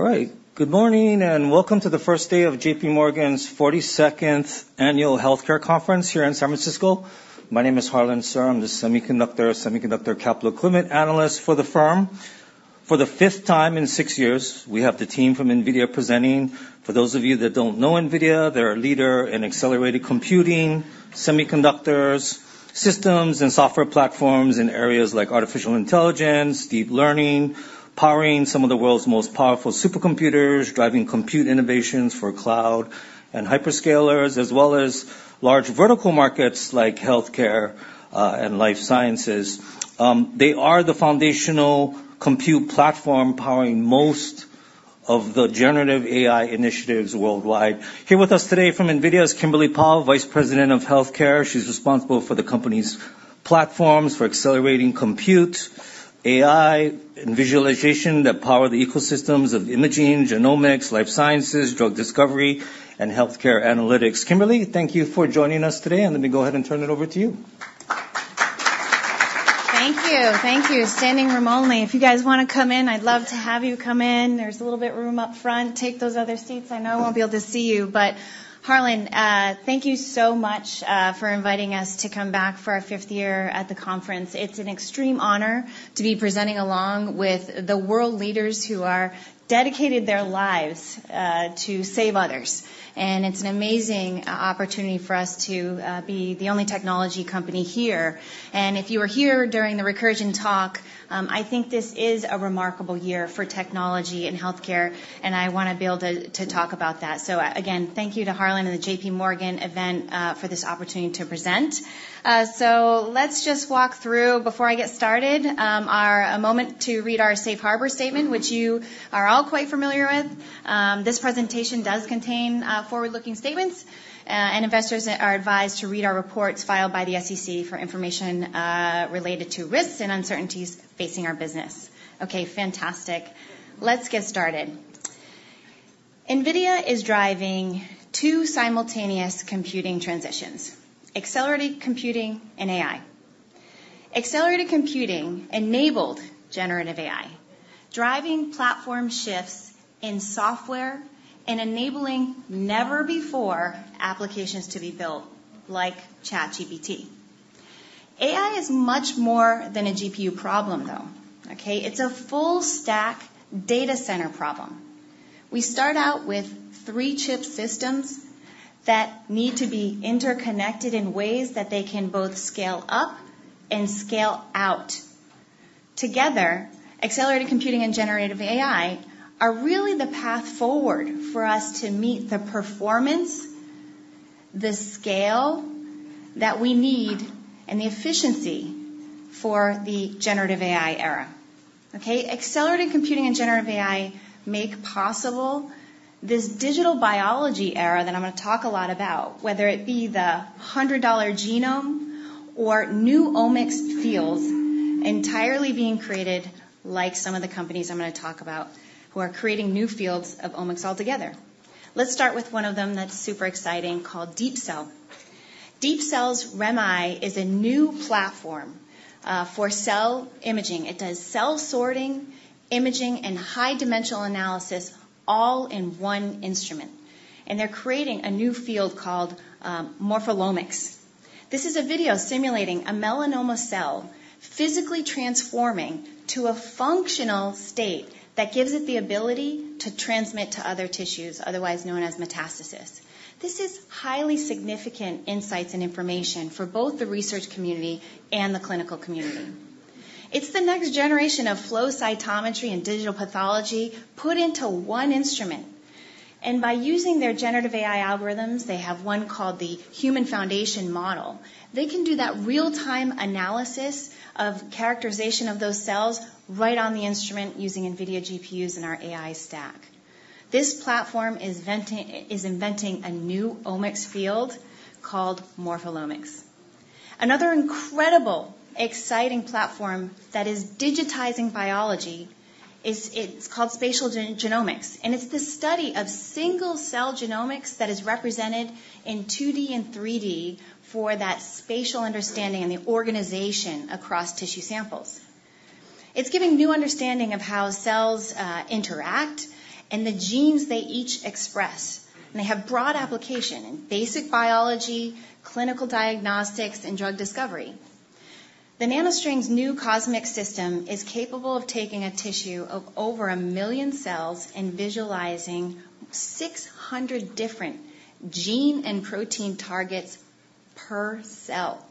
All right. Good morning, and welcome to the first day of JPMorgan's 42nd Annual Healthcare Conference here in San Francisco. My name is Harlan Sur, I'm the Semiconductor and Capital Equipment Analyst for the firm. For the fifth time in six years, we have the team from NVIDIA presenting. For those of you that don't know NVIDIA, they're a leader in accelerated computing, semiconductors, systems, and software platforms in areas like artificial intelligence, deep learning, powering some of the world's most powerful supercomputers, driving compute innovations for cloud and hyperscalers, as well as large vertical markets like healthcare, and life sciences. They are the foundational compute platform powering most of the generative AI initiatives worldwide. Here with us today from NVIDIA is Kimberly Powell, Vice President of Healthcare. She's responsible for the company's platforms for accelerating compute, AI, and visualization that power the ecosystems of imaging, genomics, life sciences, drug discovery, and healthcare analytics. Kimberly, thank you for joining us today, and let me go ahead and turn it over to you. Thank you. Thank you. Standing room only. If you guys wanna come in, I'd love to have you come in. There's a little bit of room up front. Take those other seats. I know I won't be able to see you. But Harlan, thank you so much for inviting us to come back for our fifth year at the conference. It's an extreme honor to be presenting along with the world leaders who are dedicated their lives to save others. And it's an amazing opportunity for us to be the only technology company here. And if you were here during the Recursion talk, I think this is a remarkable year for technology and healthcare, and I wanna be able to talk about that. So again, thank you to Harlan and the JPMorgan event for this opportunity to present. So let's just walk through, before I get started, a moment to read our safe harbor statement, which you are all quite familiar with. This presentation does contain forward-looking statements, and investors are advised to read our reports filed by the SEC for information related to risks and uncertainties facing our business. Okay, fantastic. Let's get started. NVIDIA is driving two simultaneous computing transitions: accelerated computing and AI. Accelerated computing enabled generative AI, driving platform shifts in software and enabling never before applications to be built, like ChatGPT. AI is much more than a GPU problem, though, okay? It's a full stack data center problem. We start out with three chip systems that need to be interconnected in ways that they can both scale up and scale out. Together, accelerated computing and generative AI are really the path forward for us to meet the performance, the scale that we need, and the efficiency for the generative AI era, okay? Accelerated computing and generative AI make possible this digital biology era that I'm gonna talk a lot about, whether it be the $100 genome or new omics fields entirely being created, like some of the companies I'm gonna talk about, who are creating new fields of omics altogether. Let's start with one of them that's super exciting, called Deepcell. Deepcell's REM-I is a new platform for cell imaging. It does cell sorting, imaging, and high-dimensional analysis all in one instrument, and they're creating a new field called Morpholomics. This is a video simulating a melanoma cell physically transforming to a functional state that gives it the ability to transmit to other tissues, otherwise known as metastasis. This is highly significant insights and information for both the research community and the clinical community. It's the next generation of flow cytometry and digital pathology put into one instrument, and by using their generative AI algorithms, they have one called the Human Foundation Model. They can do that real-time analysis of characterization of those cells right on the instrument using NVIDIA GPUs in our AI stack. This platform is inventing a new omics field called Morpholomics. Another incredible, exciting platform that is digitizing biology is, it's called spatial genomics, and it's the study of single-cell genomics that is represented in 2D and 3D for that spatial understanding and the organization across tissue samples. It's giving new understanding of how cells interact and the genes they each express. They have broad application in basic biology, clinical diagnostics, and drug discovery. NanoString's new CosMx system is capable of taking a tissue of over 1 million cells and visualizing 600 different gene and protein targets per cell.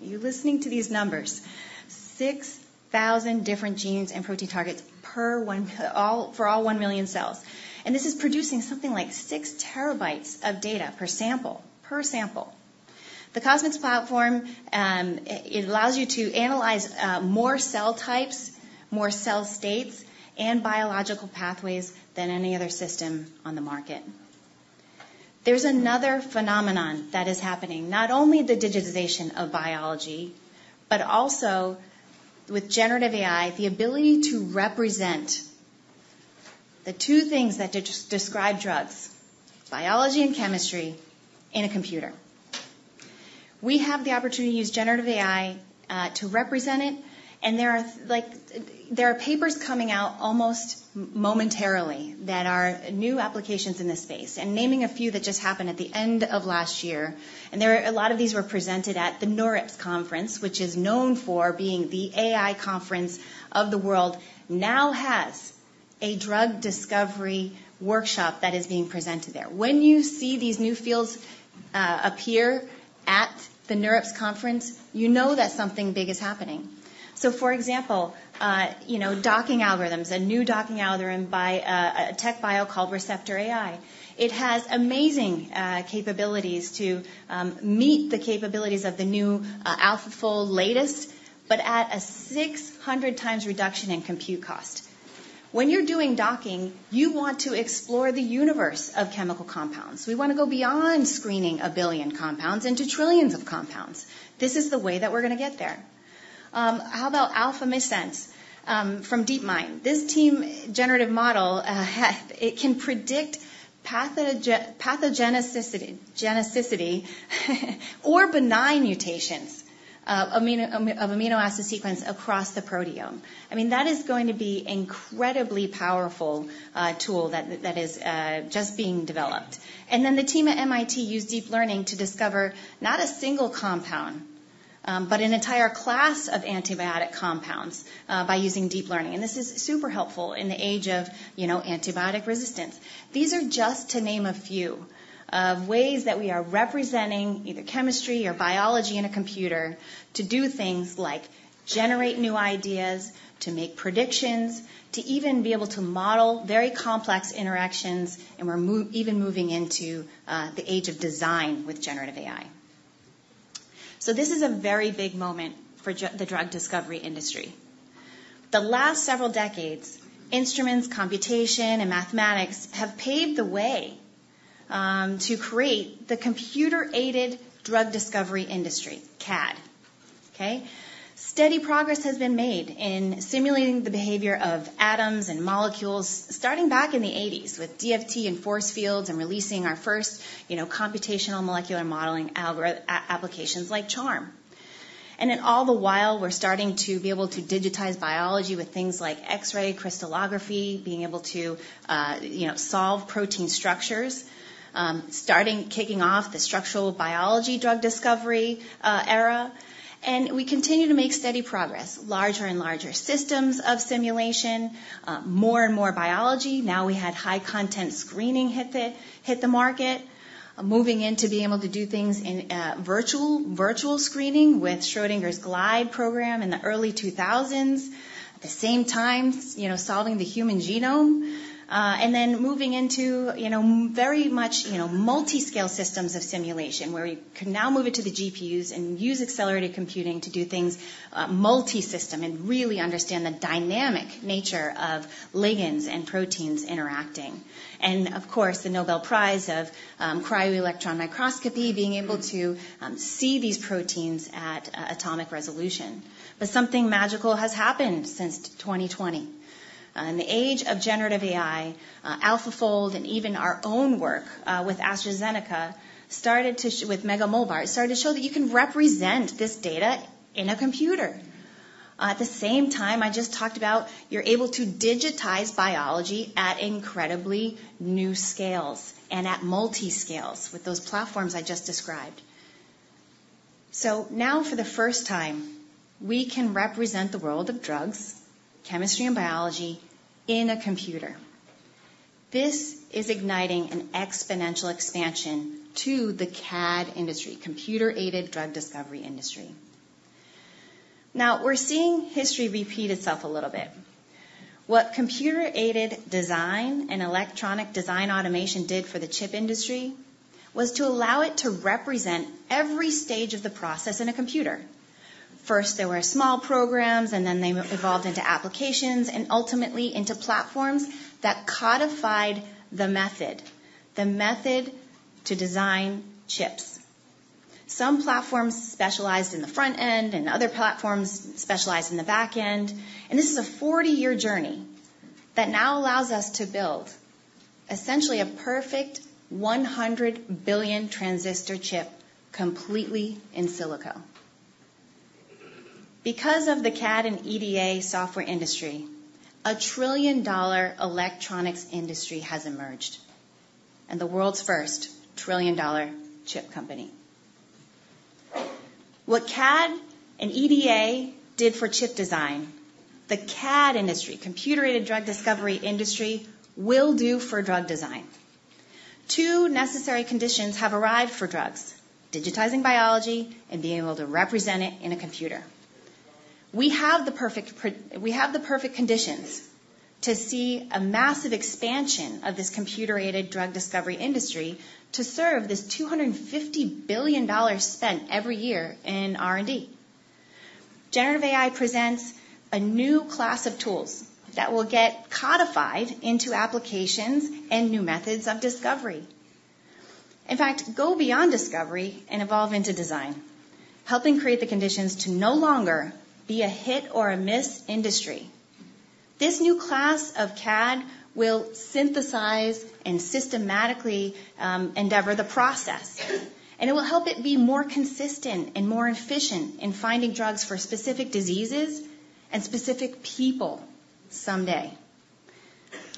Are you listening to these numbers? 6,000 different genes and protein targets per one cell—for all 1 million cells, and this is producing something like 6 TB of data per sample. Per sample. The CosMx platform, it allows you to analyze more cell types, more cell states, and biological pathways than any other system on the market. There's another phenomenon that is happening, not only the digitization of biology, but also with generative AI, the ability to represent the two things that describe drugs: biology and chemistry, in a computer.... We have the opportunity to use generative AI to represent it, and there are like, there are papers coming out almost momentarily that are new applications in this space, and naming a few that just happened at the end of last year. And there are a lot of these were presented at the NeurIPS conference, which is known for being the AI conference of the world, now has a drug discovery workshop that is being presented there. When you see these new fields appear at the NeurIPS conference, you know that something big is happening. So, for example, you know, docking algorithms, a new docking algorithm by a TechBio called Receptor.AI. It has amazing capabilities to meet the capabilities of the new AlphaFold latest, but at a 600 times reduction in compute cost. When you're doing docking, you want to explore the universe of chemical compounds. We want to go beyond screening 1 billion compounds into trillions of compounds. This is the way that we're going to get there. How about AlphaMissense from DeepMind? This generative model, it can predict pathogenesis, pathogenicity, or benign mutations of amino acid sequence across the proteome. I mean, that is going to be incredibly powerful tool that is just being developed. And then the team at MIT used deep learning to discover not a single compound, but an entire class of antibiotic compounds by using deep learning. And this is super helpful in the age of, you know, antibiotic resistance. These are just to name a few of ways that we are representing either chemistry or biology in a computer to do things like generate new ideas, to make predictions, to even be able to model very complex interactions, and we're even moving into the age of design with generative AI. So this is a very big moment for the drug discovery industry. The last several decades, instruments, computation, and mathematics have paved the way to create the computer-aided drug discovery industry, CADD. Okay? Steady progress has been made in simulating the behavior of atoms and molecules, starting back in the eighties with DFT and force fields and releasing our first, you know, computational molecular modeling applications like CHARMM. And then all the while, we're starting to be able to digitize biology with things like X-ray crystallography, being able to, you know, solve protein structures, starting... kicking off the structural biology drug discovery era. And we continue to make steady progress, larger and larger systems of simulation, more and more biology. Now, we had high content screening hit the market, moving into being able to do things in virtual screening with Schrödinger's Glide program in the early 2000s. At the same time, you know, solving the human genome, and then moving into, you know, very much, you know, multi-scale systems of simulation, where we can now move it to the GPUs and use accelerated computing to do things, multi-system and really understand the dynamic nature of ligands and proteins interacting. Of course, the Nobel Prize of cryo-electron microscopy, being able to see these proteins at atomic resolution. But something magical has happened since 2020. In the age of generative AI, AlphaFold, and even our own work with AstraZeneca with MegaMolBART started to show that you can represent this data in a computer. At the same time I just talked about, you're able to digitize biology at incredibly new scales and at multi-scales with those platforms I just described. So now, for the first time, we can represent the world of drugs, chemistry, and biology in a computer. This is igniting an exponential expansion to the CADD industry, computer-aided drug discovery industry. Now, we're seeing history repeat itself a little bit. What computer-aided design and electronic design automation did for the chip industry was to allow it to represent every stage of the process in a computer. First, there were small programs, and then they evolved into applications and ultimately into platforms that codified the method, the method to design chips. Some platforms specialized in the front end, and other platforms specialized in the back end, and this is a 40-year journey that now allows us to build essentially a perfect 100 billion transistor chip completely in silico. Because of the CAD and EDA software industry, a $1 trillion electronics industry has emerged, and the world's first $1 trillion chip company. What CAD and EDA did for chip design, the CADD industry, computer-aided drug discovery industry, will do for drug design. Two necessary conditions have arrived for drugs: digitizing biology and being able to represent it in a computer. We have the perfect conditions to see a massive expansion of this computer-aided drug discovery industry to serve this $250 billion spent every year in R&D. Generative AI presents a new class of tools that will get codified into applications and new methods of discovery. In fact, go beyond discovery and evolve into design, helping create the conditions to no longer be a hit or a miss industry. This new class of CADD will synthesize and systematically endeavor the process, and it will help it be more consistent and more efficient in finding drugs for specific diseases and specific people someday.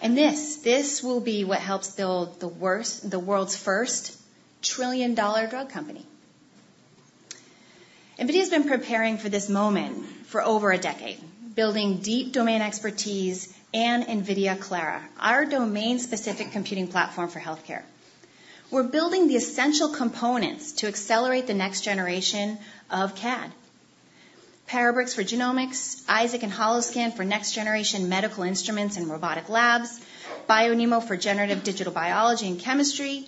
And this, this will be what helps build the world's first trillion-dollar drug company. NVIDIA has been preparing for this moment for over a decade, building deep domain expertise and NVIDIA Clara, our domain-specific computing platform for healthcare. We're building the essential components to accelerate the next generation of CADD. Parabricks for genomics, NVIDIA Isaac and NVIDIA Holoscan for next-generation medical instruments and robotic labs. BioNeMo for generative digital biology and chemistry,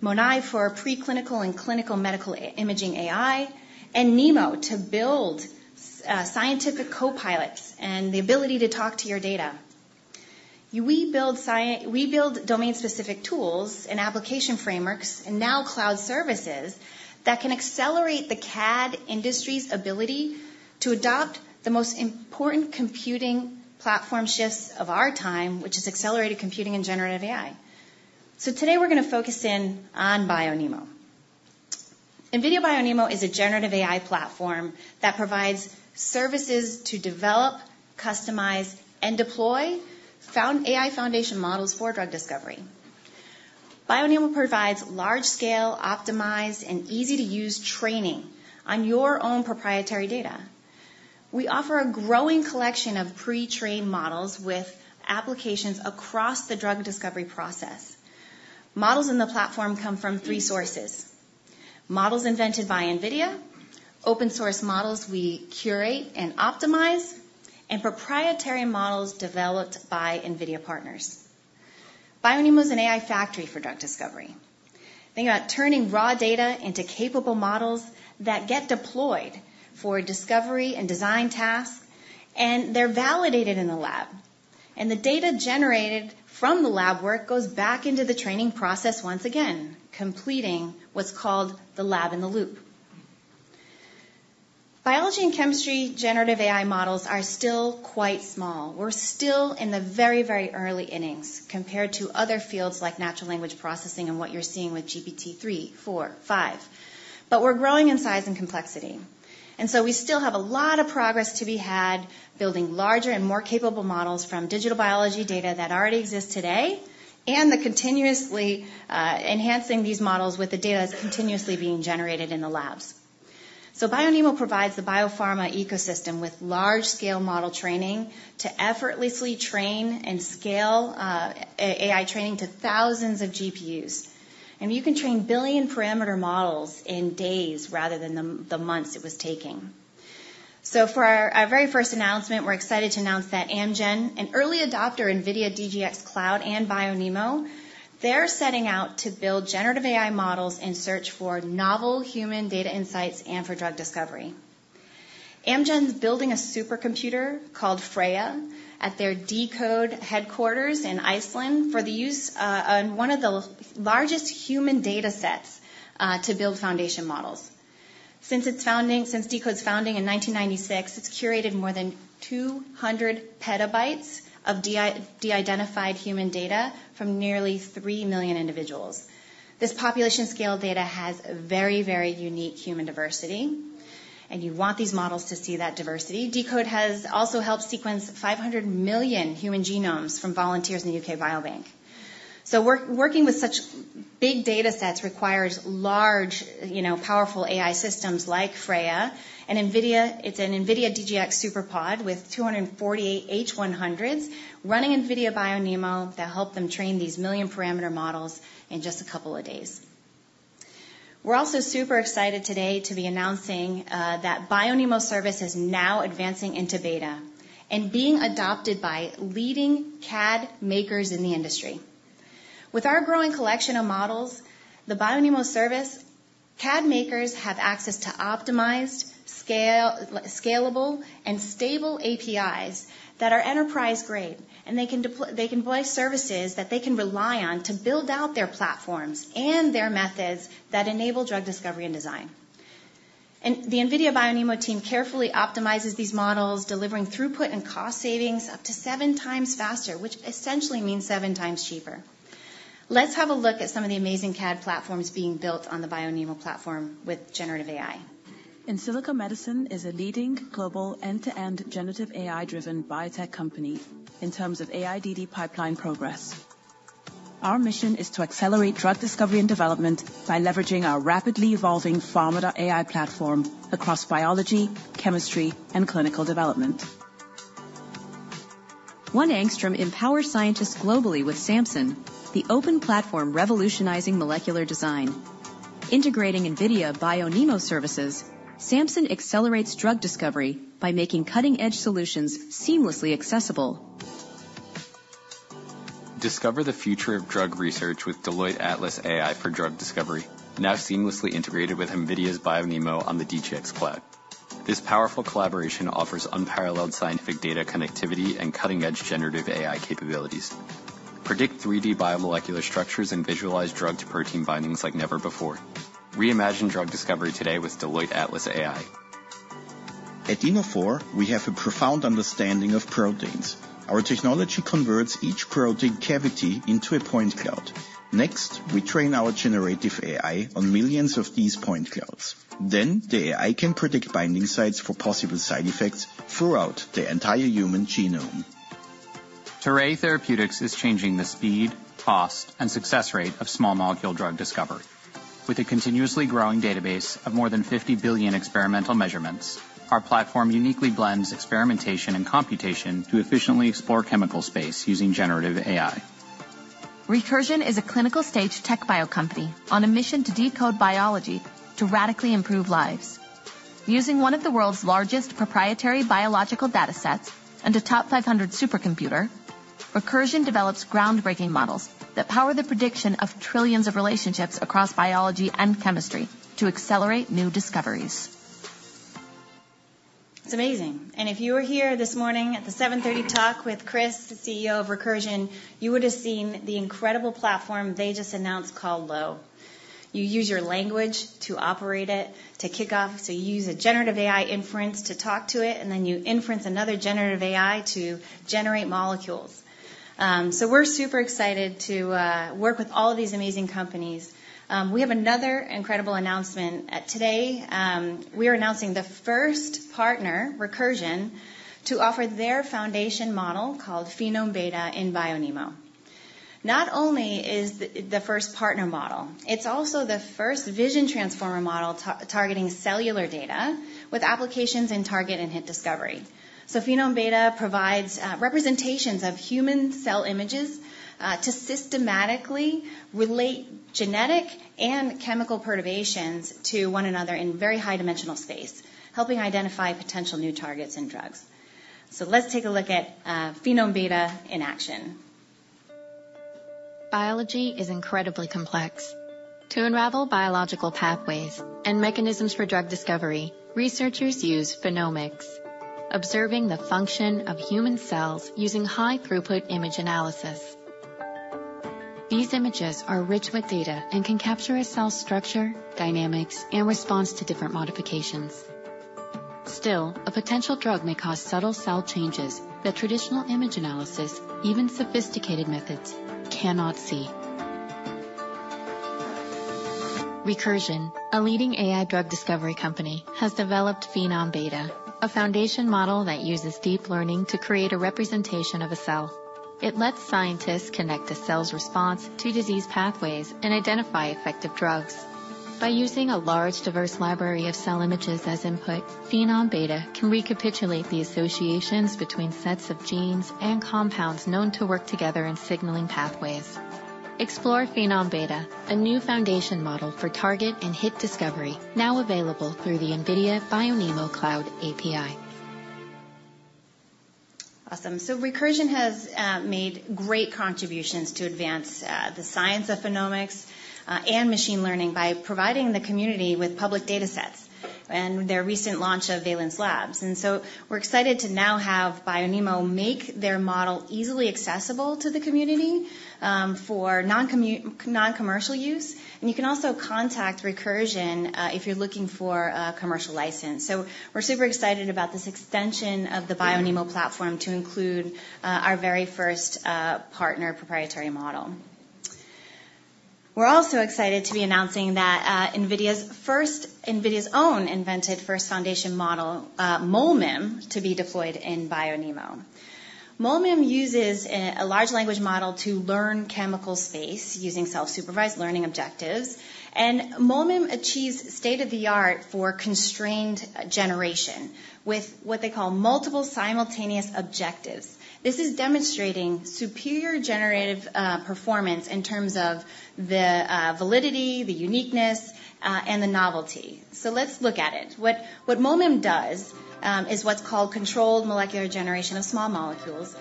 MONAI for preclinical and clinical medical imaging AI, and NVIDIA NeMo to build scientific copilots and the ability to talk to your data. We build domain-specific tools and application frameworks, and now cloud services, that can accelerate the CADD industry's ability to adopt the most important computing platform shifts of our time, which is accelerated computing and generative AI. So today, we're gonna focus in on BioNeMo. NVIDIA BioNeMo is a generative AI platform that provides services to develop, customize, and deploy foundation AI foundation models for drug discovery. BioNeMo provides large-scale, optimized, and easy-to-use training on your own proprietary data. We offer a growing collection of pre-trained models with applications across the drug discovery process. Models in the platform come from three sources: models invented by NVIDIA, open-source models we curate and optimize, and proprietary models developed by NVIDIA partners. BioNeMo is an AI factory for drug discovery. Think about turning raw data into capable models that get deployed for discovery and design tasks, and they're validated in the lab, and the data generated from the lab work goes back into the training process once again, completing what's called the Lab in a Loop. Biology and chemistry generative AI models are still quite small. We're still in the very, very early innings compared to other fields like natural language processing and what you're seeing with GPT-3, 4, 5. But we're growing in size and complexity, and so we still have a lot of progress to be had, building larger and more capable models from digital biology data that already exists today, and continuously enhancing these models with the data that's continuously being generated in the labs. So BioNeMo provides the biopharma ecosystem with large-scale model training to effortlessly train and scale AI training to thousands of GPUs. And you can train billion-parameter models in days rather than the months it was taking. So for our very first announcement, we're excited to announce that Amgen, an early adopter, NVIDIA DGX Cloud, and BioNeMo, they're setting out to build generative AI models and search for novel human data insights and for drug discovery. Amgen's building a supercomputer called Freyja at their deCODE headquarters in Iceland for the use on one of the largest human data sets to build foundation models. Since deCODE's founding in 1996, it's curated more than 200 PB of de-identified human data from nearly three million individuals. This population-scale data has a very, very unique human diversity, and you want these models to see that diversity. DeCODE has also helped sequence 500 million human genomes from volunteers in the UK Biobank. Working with such big data sets requires large, you know, powerful AI systems like Freyja and NVIDIA. It's an NVIDIA DGX SuperPOD with 248 H100s running NVIDIA BioNeMo, that help them train these million-parameter models in just a couple of days. We're also super excited today to be announcing that BioNeMo service is now advancing into beta and being adopted by leading CADD makers in the industry. With our growing collection of models, the BioNeMo service, CADD makers have access to optimized, scalable and stable APIs that are enterprise-grade, and they can deploy... They can buy services that they can rely on to build out their platforms and their methods that enable drug discovery and design. And the NVIDIA BioNeMo team carefully optimizes these models, delivering throughput and cost savings up to seven times faster, which essentially means seven times cheaper. Let's have a look at some of the amazing CADD platforms being built on the BioNeMo platform with generative AI. Insilico Medicine is a leading global end-to-end generative AI-driven biotech company in terms of AI DD pipeline progress. Our mission is to accelerate drug discovery and development by leveraging our rapidly evolving Pharma.AI platform across biology, chemistry, and clinical development. OneAngstrom empowers scientists globally with SAMSON, the open platform revolutionizing molecular design. Integrating NVIDIA BioNeMo services, SAMSON accelerates drug discovery by making cutting-edge solutions seamlessly accessible. Discover the future of drug research with Deloitte Atlas AI for drug discovery, now seamlessly integrated with NVIDIA's BioNeMo on the DGX Cloud. This powerful collaboration offers unparalleled scientific data connectivity and cutting-edge generative AI capabilities. Predict 3D biomolecular structures and visualize drug-to-protein bindings like never before. Reimagine drug discovery today with Deloitte Atlas AI. At Innophore, we have a profound understanding of proteins. Our technology converts each protein cavity into a point cloud. Next, we train our generative AI on millions of these point clouds. Then the AI can predict binding sites for possible side effects throughout the entire human genome. Terray Therapeutics is changing the speed, cost, and success rate of small molecule drug discovery. With a continuously growing database of more than 50 billion experimental measurements, our platform uniquely blends experimentation and computation to efficiently explore chemical space using generative AI. Recursion is a clinical stage TechBio company on a mission to deCODE biology to radically improve lives. Using one of the world's largest proprietary biological datasets and a top 500 supercomputer, Recursion develops groundbreaking models that power the prediction of trillions of relationships across biology and chemistry to accelerate new discoveries. It's amazing. And if you were here this morning at the 7:30 talk with Chris, the CEO of Recursion, you would have seen the incredible platform they just announced called LOWE. You use your language to operate it, to kick off. So you use a generative AI inference to talk to it, and then you inference another generative AI to generate molecules. So we're super excited to work with all of these amazing companies. We have another incredible announcement. Today, we are announcing the first partner, Recursion, to offer their foundation model called Phenom-Beta in BioNeMo. Not only is the first partner model, it's also the first vision transformer model targeting cellular data with applications in target and hit discovery. So Phenom-Beta provides representations of human cell images to systematically relate genetic and chemical perturbations to one another in very high dimensional space, helping identify potential new targets and drugs. So let's take a look at Phenom-Beta in action. Biology is incredibly complex. To unravel biological pathways and mechanisms for drug discovery, researchers use phenomics, observing the function of human cells using high-throughput image analysis. These images are rich with data and can capture a cell's structure, dynamics, and response to different modifications. Still, a potential drug may cause subtle cell changes that traditional image analysis, even sophisticated methods, cannot see. Recursion, a leading AI drug discovery company, has developed Phenom-Beta, a foundation model that uses deep learning to create a representation of a cell. It lets scientists connect a cell's response to disease pathways and identify effective drugs. By using a large, diverse library of cell images as input, Phenom-Beta can recapitulate the associations between sets of genes and compounds known to work together in signaling pathways. Explore Phenom-Beta, a new foundation model for target and hit discovery, now available through the NVIDIA BioNeMo Cloud API. Awesome. So Recursion has made great contributions to advance the science of phenomics and machine learning by providing the community with public datasets and their recent launch of Valence Labs. And so we're excited to now have BioNeMo make their model easily accessible to the community for non-commercial use. And you can also contact Recursion if you're looking for a commercial license. So we're super excited about this extension of the BioNeMo platform to include our very first partner proprietary model. We're also excited to be announcing that NVIDIA's first... NVIDIA's own invented first foundation model, MolMIM, to be deployed in BioNeMo. MolMIM uses a large language model to learn chemical space using self-supervised learning objectives, and MolMIM achieves state-of-the-art for constrained generation with what they call multiple simultaneous objectives. This is demonstrating superior generative performance in terms of the validity, the uniqueness, and the novelty. So let's look at it. What MolMIM does is what's called controlled molecular generation of small molecules,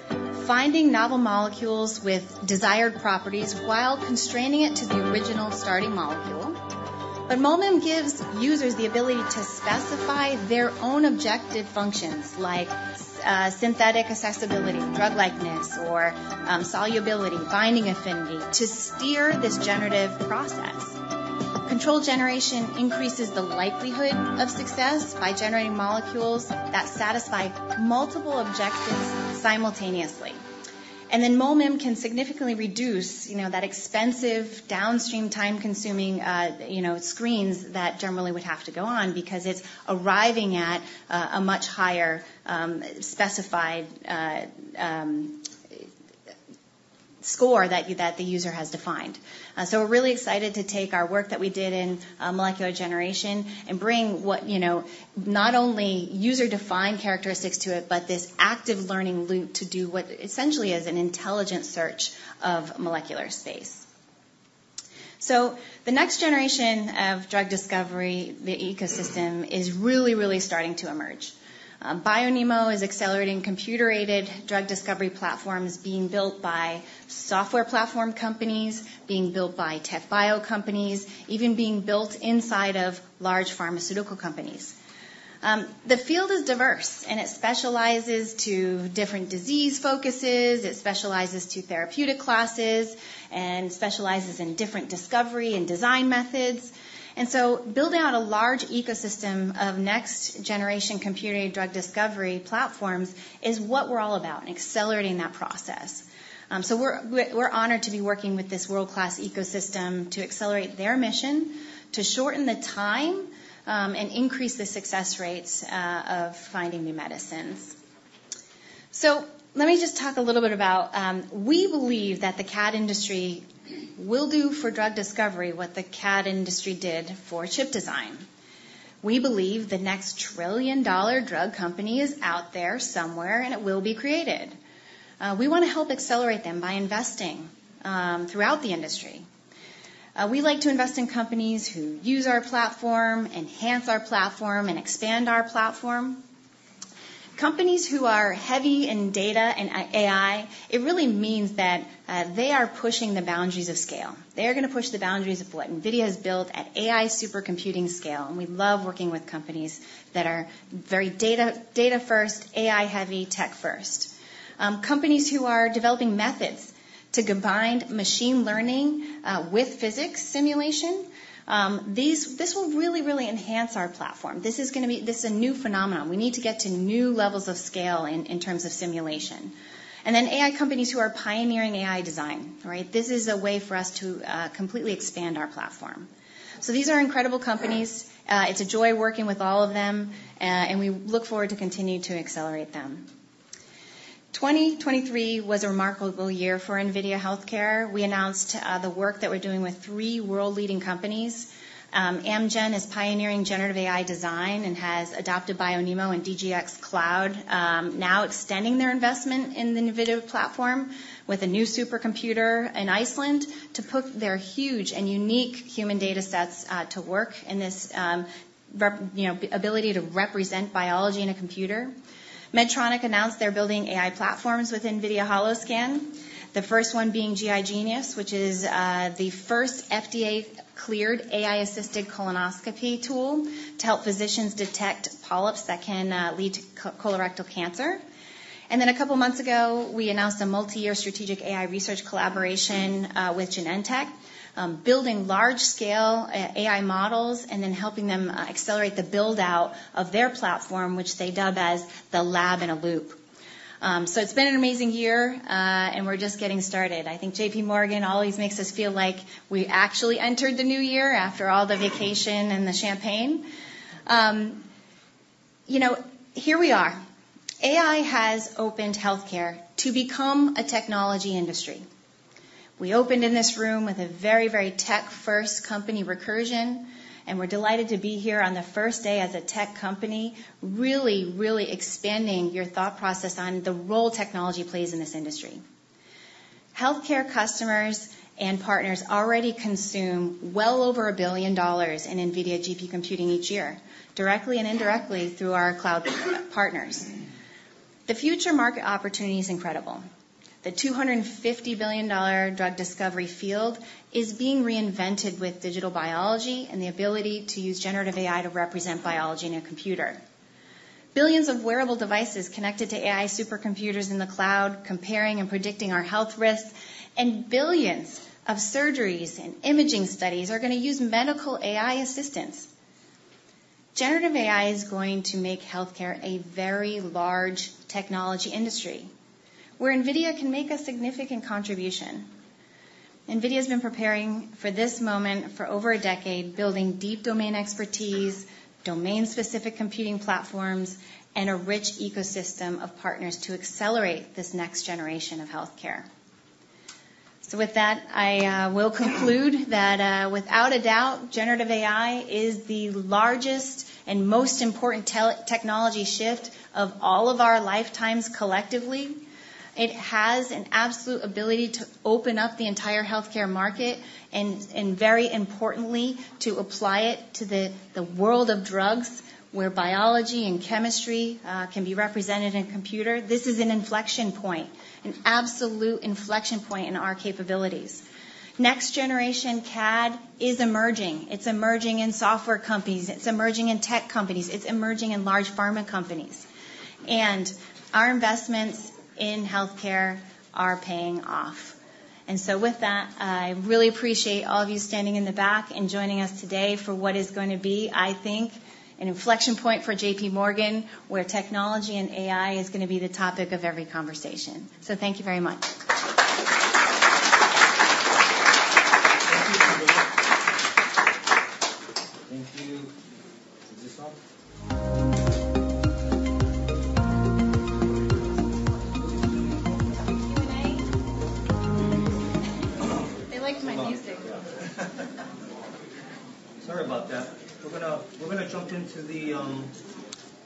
finding novel molecules with desired properties while constraining it to the original starting molecule. But MolMIM gives users the ability to specify their own objective functions, like, synthetic accessibility, drug likeness, or, solubility, binding affinity, to steer this generative process. Controlled generation increases the likelihood of success by generating molecules that satisfy multiple objectives simultaneously. And then MolMIM can significantly reduce, you know, that expensive, downstream, time-consuming, you know, screens that generally would have to go on because it's arriving at a much higher specified score that the user has defined. So we're really excited to take our work that we did in molecular generation and bring what, you know, not only user-defined characteristics to it, but this active learning loop to do what essentially is an intelligent search of molecular space.... So the next generation of drug discovery, the ecosystem, is really, really starting to emerge. BioNeMo is accelerating computer-aided drug discovery platforms being built by software platform companies, being built by TechBio companies, even being built inside of large pharmaceutical companies. The field is diverse, and it specializes to different disease focuses, it specializes to therapeutic classes, and specializes in different discovery and design methods. And so building out a large ecosystem of next-generation computer-aided drug discovery platforms is what we're all about, and accelerating that process. So we're honored to be working with this world-class ecosystem to accelerate their mission, to shorten the time and increase the success rates of finding new medicines. So let me just talk a little bit about. We believe that the CADD industry will do for drug discovery what the CADD industry did for chip design. We believe the next trillion-dollar drug company is out there somewhere, and it will be created. We wanna help accelerate them by investing throughout the industry. We like to invest in companies who use our platform, enhance our platform, and expand our platform. Companies who are heavy in data and AI, it really means that they are pushing the boundaries of scale. They are gonna push the boundaries of what NVIDIA has built at AI supercomputing scale, and we love working with companies that are very data, data-first, AI-heavy, tech-first. Companies who are developing methods to combine machine learning with physics simulation. This will really, really enhance our platform. This is gonna be... This is a new phenomenon. We need to get to new levels of scale in terms of simulation. And then AI companies who are pioneering AI design, right? This is a way for us to completely expand our platform. So these are incredible companies. It's a joy working with all of them, and we look forward to continue to accelerate them. 2023 was a remarkable year for NVIDIA Healthcare. We announced the work that we're doing with three world-leading companies. Amgen is pioneering generative AI design and has adopted BioNeMo and DGX Cloud, now extending their investment in the NVIDIA platform with a new supercomputer in Iceland to put their huge and unique human data sets to work in this, you know, ability to represent biology in a computer. Medtronic announced they're building AI platforms with NVIDIA Holoscan, the first one being GI Genius, which is the first FDA-cleared AI-assisted colonoscopy tool to help physicians detect polyps that can lead to colorectal cancer. And then, a couple of months ago, we announced a multi-year strategic AI research collaboration with Genentech, building large-scale AI models and then helping them accelerate the build-out of their platform, which they dub as the Lab in a Loop. So it's been an amazing year, and we're just getting started. I think JPMorgan always makes us feel like we actually entered the new year after all the vacation and the champagne. You know, here we are. AI has opened healthcare to become a technology industry. We opened in this room with a very, very tech-first company, Recursion, and we're delighted to be here on the first day as a tech company, really, really expanding your thought process on the role technology plays in this industry. Healthcare customers and partners already consume well over $1 billion in NVIDIA GPU computing each year, directly and indirectly through our cloud partners. The future market opportunity is incredible. The $250 billion drug discovery field is being reinvented with digital biology and the ability to use generative AI to represent biology in a computer. Billions of wearable devices connected to AI supercomputers in the cloud, comparing and predicting our health risks, and billions of surgeries and imaging studies are gonna use medical AI assistance. Generative AI is going to make healthcare a very large technology industry, where NVIDIA can make a significant contribution. NVIDIA's been preparing for this moment for over a decade, building deep domain expertise, domain-specific computing platforms, and a rich ecosystem of partners to accelerate this next generation of healthcare. So with that, I will conclude that, without a doubt, generative AI is the largest and most important tech-technology shift of all of our lifetimes collectively. It has an absolute ability to open up the entire healthcare market and, and very importantly, to apply it to the, the world of drugs, where biology and chemistry can be represented in a computer. This is an inflection point, an absolute inflection point in our capabilities. Next-generation CADD is emerging. It's emerging in software companies, it's emerging in tech companies, it's emerging in large pharma companies, and our investments in healthcare are paying off. And so with that, I really appreciate all of you standing in the back and joining us today for what is going to be, I think, an inflection point for JPMorgan, where technology and AI is gonna be the topic of every conversation. So thank you very much.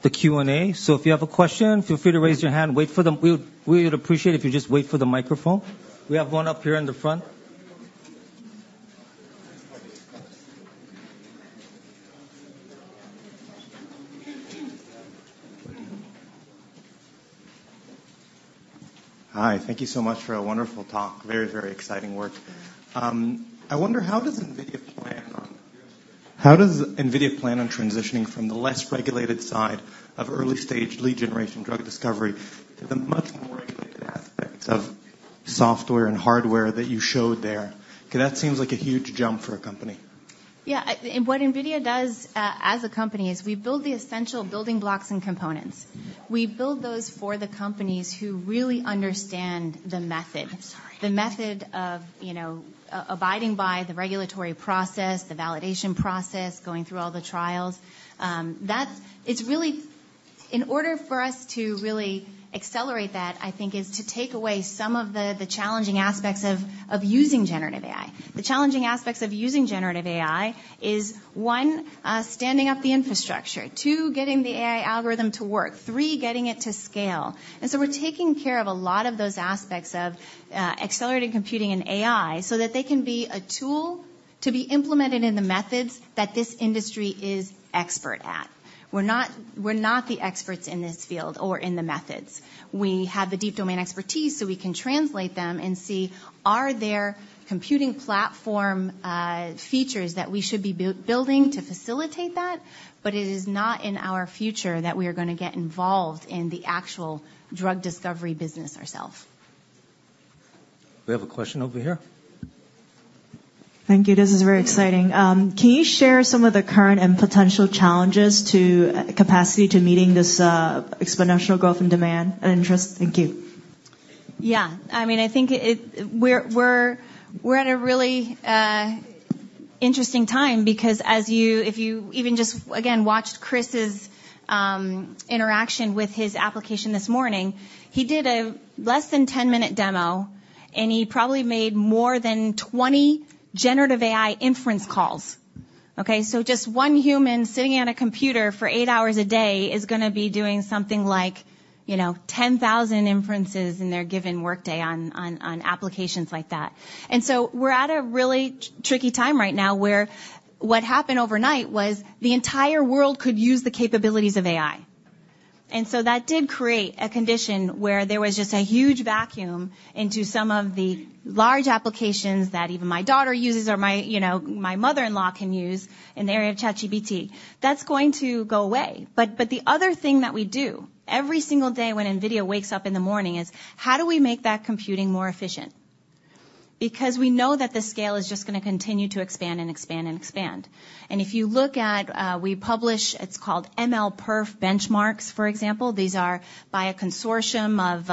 Thank you, Lisa. Thank you. Is this on? Q&A? They liked my music. Sorry about that. We're gonna jump into the Q&A. So if you have a question, feel free to raise your hand. Wait for the. We would appreciate it if you just wait for the microphone. We have one up here in the front. Hi, thank you so much for a wonderful talk. Very, very exciting work. I wonder how does NVIDIA plan on transitioning from the less regulated side of early-stage lead generation drug discovery to the much more regulated aspects of software and hardware that you showed there? Because that seems like a huge jump for a company. Yeah, and what NVIDIA does, as a company is we build the essential building blocks and components. We build those for the companies who really understand the method. The method of, you know, abiding by the regulatory process, the validation process, going through all the trials. That's it's really... In order for us to really accelerate that, I think, is to take away some of the, the challenging aspects of, of using generative AI. The challenging aspects of using generative AI is, one, standing up the infrastructure. Two, getting the AI algorithm to work. Three, getting it to scale. And so we're taking care of a lot of those aspects of, accelerated computing and AI so that they can be a tool to be implemented in the methods that this industry is expert at. We're not, we're not the experts in this field or in the methods. We have the deep domain expertise, so we can translate them and see, are there computing platform features that we should be building to facilitate that? But it is not in our future that we are gonna get involved in the actual drug discovery business ourselves. We have a question over here. Thank you. This is very exciting. Can you share some of the current and potential challenges to capacity to meeting this exponential growth and demand and interest? Thank you. Yeah. I mean, I think it, we're at a really interesting time because as you, if you even just, again, watched Chris's interaction with his application this morning, he did a less than 10-minute demo, and he probably made more than 20 generative AI inference calls. Okay? So just one human sitting at a computer for eight hours a day is gonna be doing something like, you know, 10,000 inferences in their given workday on applications like that. And so we're at a really tricky time right now, where what happened overnight was the entire world could use the capabilities of AI. And so that did create a condition where there was just a huge vacuum into some of the large applications that even my daughter uses or my, you know, my mother-in-law can use in the area of ChatGPT. That's going to go away. But, but the other thing that we do every single day when NVIDIA wakes up in the morning, is: How do we make that computing more efficient? Because we know that the scale is just gonna continue to expand and expand and expand. And if you look at, we publish, it's called MLPerf Benchmarks, for example. These are by a consortium of,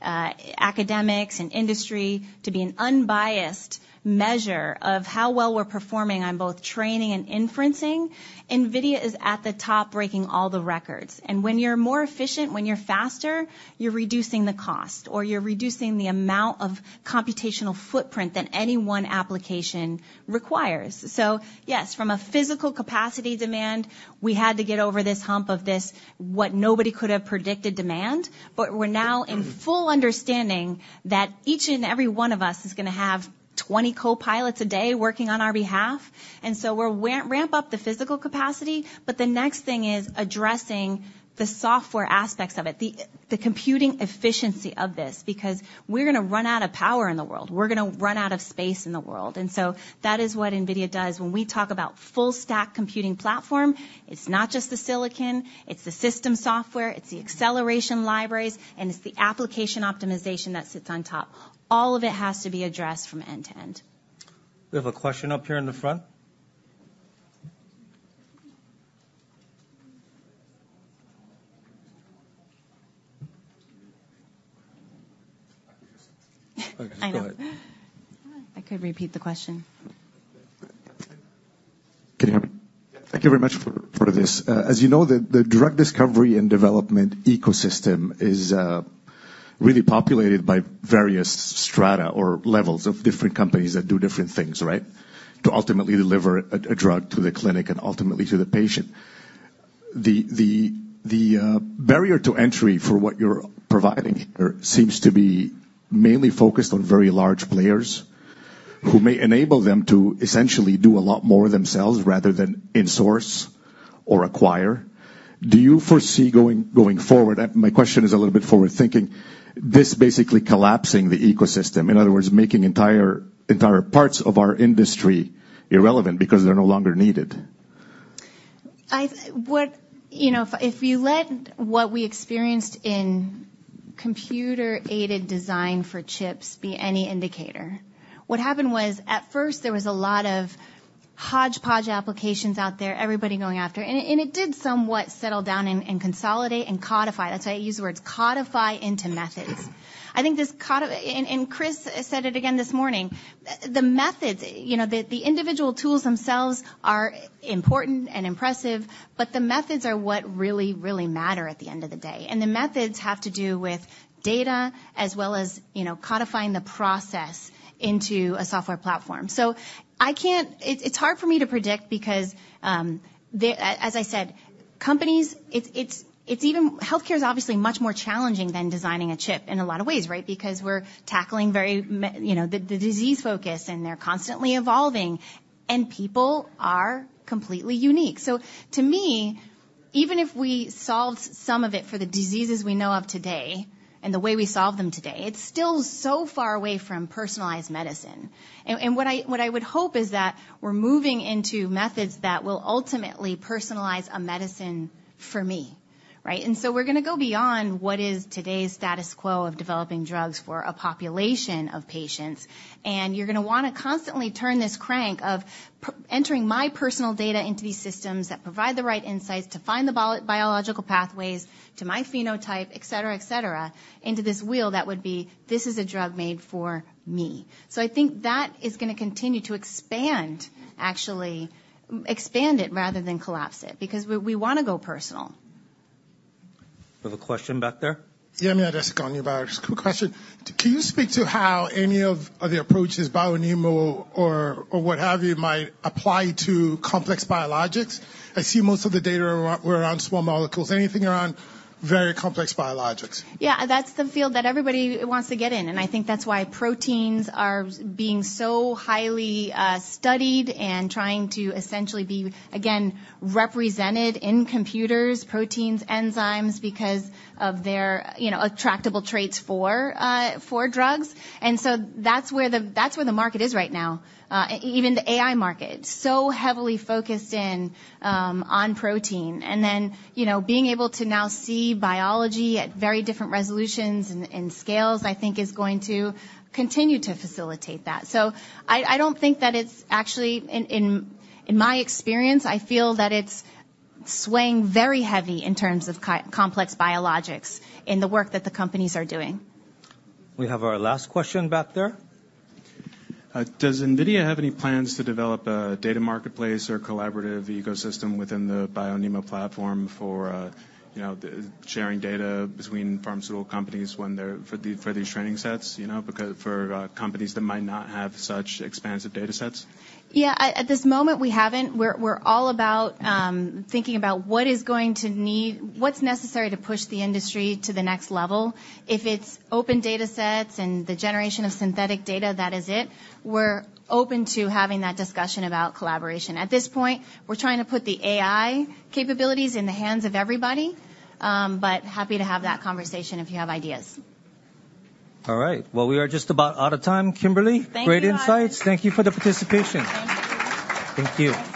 academics and industry to be an unbiased measure of how well we're performing on both training and inferencing. NVIDIA is at the top, breaking all the records. And when you're more efficient, when you're faster, you're reducing the cost or you're reducing the amount of computational footprint that any one application requires. So yes, from a physical capacity demand, we had to get over this hump of this, what nobody could have predicted demand. But we're now in full understanding that each and every one of us is gonna have 20 co-pilots a day working on our behalf. And so we ramp up the physical capacity, but the next thing is addressing the software aspects of it, the computing efficiency of this, because we're gonna run out of power in the world. We're gonna run out of space in the world. And so that is what NVIDIA does. When we talk about full stack computing platform, it's not just the silicon, it's the system software, it's the acceleration libraries, and it's the application optimization that sits on top. All of it has to be addressed from end to end. We have a question up here in the front. I know. Go ahead. I could repeat the question. Can you hear me? Thank you very much for, for this. As you know, the drug discovery and development ecosystem is really populated by various strata or levels of different companies that do different things, right? To ultimately deliver a drug to the clinic and ultimately to the patient. The barrier to entry for what you're providing here seems to be mainly focused on very large players, who may enable them to essentially do a lot more themselves rather than in-source or acquire. Do you foresee going forward, my question is a little bit forward-thinking, this basically collapsing the ecosystem? In other words, making entire parts of our industry irrelevant because they're no longer needed. What... You know, if you let what we experienced in computer-aided design for chips be any indicator, what happened was, at first, there was a lot of hodgepodge applications out there, everybody going after. And it did somewhat settle down and consolidate and codify. That's why I use the words codify into methods. I think this— and Chris said it again this morning, the methods, you know, the individual tools themselves are important and impressive, but the methods are what really matter at the end of the day. And the methods have to do with data, as well as, you know, codifying the process into a software platform. So I can't... It's hard for me to predict because, as I said... companies, it's even healthcare is obviously much more challenging than designing a chip in a lot of ways, right? Because we're tackling very you know, the disease focus, and they're constantly evolving, and people are completely unique. So to me, even if we solved some of it for the diseases we know of today and the way we solve them today, it's still so far away from personalized medicine. And what I would hope is that we're moving into methods that will ultimately personalize a medicine for me, right? And so we're gonna go beyond what is today's status quo of developing drugs for a population of patients. You're gonna wanna constantly turn this crank of entering my personal data into these systems that provide the right insights to find the biological pathways to my phenotype, et cetera, et cetera, into this wheel that would be, "This is a drug made for me." So I think that is gonna continue to expand, actually expand it rather than collapse it, because we, we wanna go personal. We have a question back there? Yeah, I mean, I just got a new quick question. Can you speak to how any of the approaches, BioNeMo or, or what have you, might apply to complex biologics? I see most of the data around were around small molecules. Anything around very complex biologics? Yeah, that's the field that everybody wants to get in, and I think that's why proteins are being so highly studied and trying to essentially be, again, represented in computers, proteins, enzymes, because of their, you know, attractive traits for drugs. And so that's where the, that's where the market is right now. Even the AI market, so heavily focused in on protein. And then, you know, being able to now see biology at very different resolutions and scales, I think is going to continue to facilitate that. So I don't think that it's actually... In my experience, I feel that it's swaying very heavily in terms of complex biologics in the work that the companies are doing. We have our last question back there. Does NVIDIA have any plans to develop a data marketplace or collaborative ecosystem within the BioNeMo platform for, you know, sharing data between pharmaceutical companies when they're for the, for these training sets, you know, because for, companies that might not have such expansive data sets? Yeah. At this moment, we haven't. We're all about thinking about what's necessary to push the industry to the next level. If it's open data sets and the generation of synthetic data, that is it, we're open to having that discussion about collaboration. At this point, we're trying to put the AI capabilities in the hands of everybody, but happy to have that conversation if you have ideas. All right. Well, we are just about out of time. Kimberly- Thank you, Harlan. Great insights. Thank you for the participation. Thank you. Thank you. Thanks so much.